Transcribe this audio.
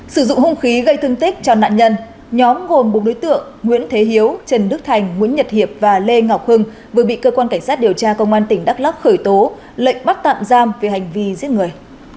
sử dụng hung khí gây thương tích cho nạn nhân nhóm gồm bốn đối tượng nguyễn thế hiếu trần đức thành nguyễn nhật hiệp và lê ngọc hưng vừa bị cơ quan cảnh sát điều tra công an tỉnh đắk lắk khởi tố lệnh bắt tạm giam về hành vi giết người